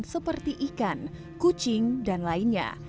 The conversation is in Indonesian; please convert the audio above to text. seperti ikan kucing dan lainnya